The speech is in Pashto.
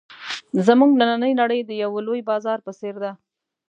زموږ نننۍ نړۍ د یوه لوی بازار په څېر ده.